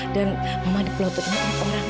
dan mama dipelototin oleh orang